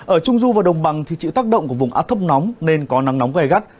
ở trung du và đồng bằng thì chịu tác động của vùng áp thấp nóng nên có nắng nóng gai gắt